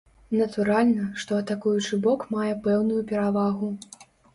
Натуральна, што атакуючы бок мае пэўную перавагу.